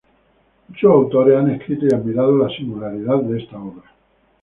Muchos autores han escrito y admirado la singularidad de esta obra.